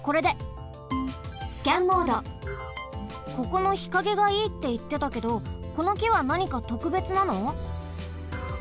ここの日陰がいいっていってたけどこのきはなにかとくべつなの？